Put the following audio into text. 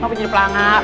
mau pincir pelangak